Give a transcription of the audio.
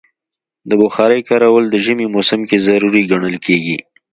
د بخارۍ کارول د ژمي موسم کې ضروری ګڼل کېږي.